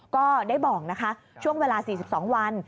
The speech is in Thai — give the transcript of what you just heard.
ก็ได้บอกนะคะช่วงเวลา๔๒วัน